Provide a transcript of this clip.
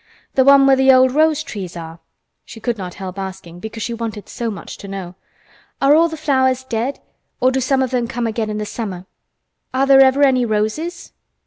"The one where the old rose trees are." She could not help asking, because she wanted so much to know. "Are all the flowers dead, or do some of them come again in the summer? Are there ever any roses?"